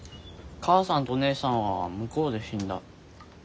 母さんと姉さんは向こうで死んだ。